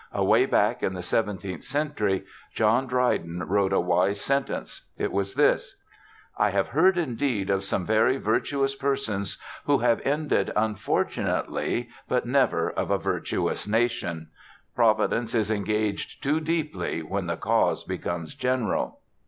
Away back in the seventeenth century, John Dryden wrote a wise sentence. It was this: "'_I have heard, indeed, of some very virtuous persons who have ended unfortunately but never of a virtuous nation; Providence is engaged too deeply when the cause becomes general.